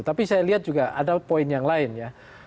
tapi saya lihat juga ada poin yang lain ya